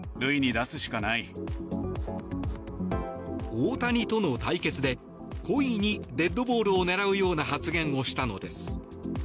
大谷との対決で故意にデッドボールを狙うような発言をしたのです。